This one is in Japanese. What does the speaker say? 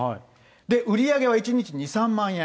売り上げは１日２、３万円。